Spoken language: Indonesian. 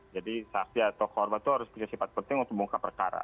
jadi sasya atau korban itu harus punya sifat penting untuk membuka perkara